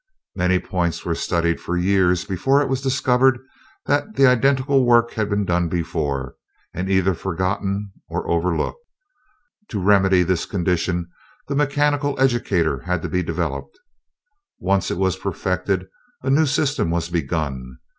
Many points were studied for years before it was discovered that the identical work had been done before, and either forgotten or overlooked. To remedy this condition the mechanical educator had to be developed. Once it was perfected a new system was begun.